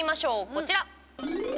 こちら。